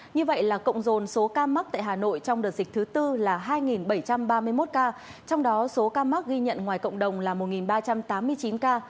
như vậy là cộng dồn số ca mắc tại hà nội trong đợt dịch thứ tư là hai bảy trăm ba mươi một ca trong đó số ca mắc ghi nhận ngoài cộng đồng là một ba trăm tám mươi chín ca